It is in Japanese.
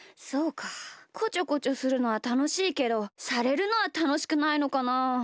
こちょこちょするのはたのしいけどされるのはたのしくないのかな。